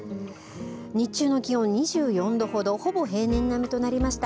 日中の気温２４度ほどほぼ平年並みとなりました。